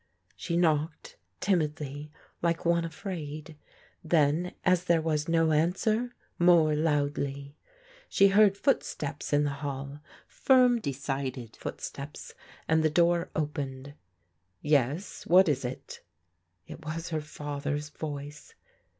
She knocked timidly, like one afraid. Then as there was no answer, more loudly. She heard footsteps in the hall, firm, dedded footsteps, and the door opened. "Yes, what is it?*' It was her father's voice.